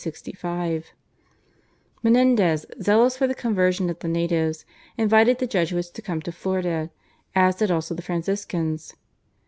Menendez, zealous for the conversion of the natives, invited the Jesuits to come to Florida, as did also the Franciscans.